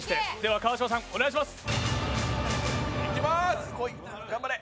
川島さん、お願いします。